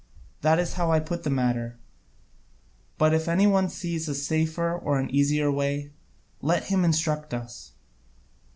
That is how I put the matter, but if any one sees a safer or an easier way, let him instruct us."